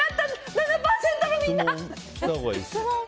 ７％のみんな！